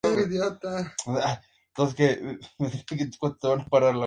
E incluso, nada dice sobre Laugier.